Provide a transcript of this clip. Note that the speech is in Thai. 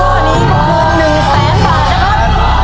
ถูกฟัวนี้คือ๑แสนบาทนะครับ